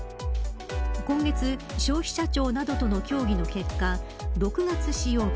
今月、消費者庁などとの協議の結果６月使用分